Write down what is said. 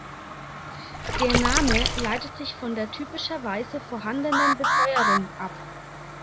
Der Name leitet sich von der typischerweise vorhandenen Befeuerung ab.